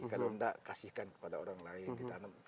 kalau enggak kasihkan kepada orang lain ditanam